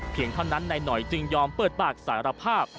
เท่านั้นนายหน่อยจึงยอมเปิดปากสารภาพ